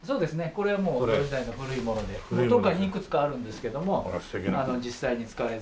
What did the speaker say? これはもう江戸時代の古いもので当館にいくつかあるんですけども実際に使われてた。